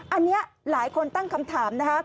อันนี้หลายคนตั้งคำถามนะครับ